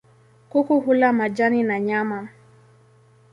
Kuku hula majani na nyama.